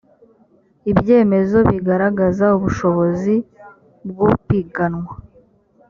ibyemezo bigaragaza ubushobozi bw upiganwa